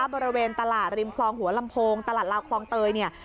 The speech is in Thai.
บริเวณตลาดริมคลองหัวลำโพงตลาดลาวคลองเตยเนี่ย